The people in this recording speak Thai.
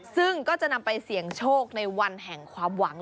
ซึ่งก็จะนำไปเสี่ยงโชคในวันแห่งความหวัง